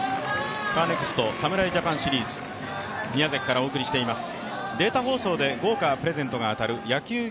カーネクスト侍ジャパンシリーズ宮崎からお送りしています。